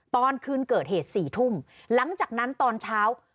ตอนคืนเกิดเหตุ๔ทุ่มหลังจากนั้นตอนเช้า